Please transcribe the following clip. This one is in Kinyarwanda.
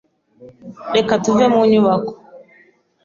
Reka tuve mu nyubako.